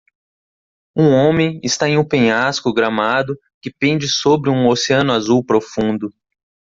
um homem está em um penhasco gramado que pende sobre um oceano azul profundo.